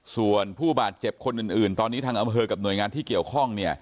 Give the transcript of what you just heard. ส่วนผู้บาดเจ็บคนอื่นตอนนี้ทางอำเภอกับหน่วยงานที่เกี่ยวข้อง